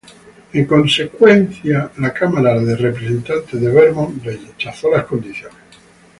En consecuencia, La Cámara de Representantes de Vermont rechazó las condiciones.